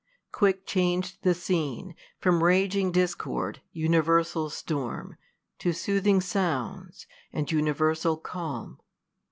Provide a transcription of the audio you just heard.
Quick chang'd the scene, From raging discord, universal storm,' To soothing sounds, and universal calm.